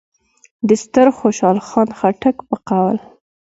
د ستر خوشحال خان خټک په قول: